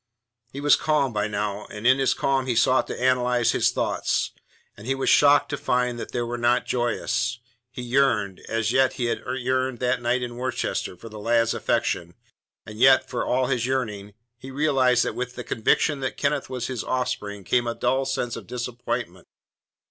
He was calm by now, and in his calm he sought to analyse his thoughts, and he was shocked to find that they were not joyous. He yearned as he had yearned that night in Worcester for the lad's affection, and yet, for all his yearning, he realized that with the conviction that Kenneth was his offspring came a dull sense of disappointment.